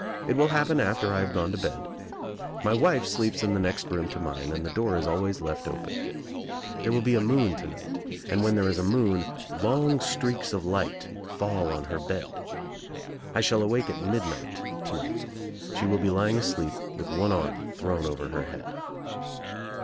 It will happen after I have gone to bed. My wife sleeps in the next room to mine and the door is always left open. There will THE OTHER WOMAN 45 Fbe a moon to night, and when there is a moon long streaks of light fall on her bed. I shall awake at midnight to night. She will be lying asleep with one I arm thrown over her head.